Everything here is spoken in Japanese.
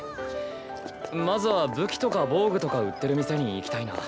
まずは武器とか防具とか売ってる店に行きたいな。